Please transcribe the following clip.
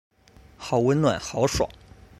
好温暖好爽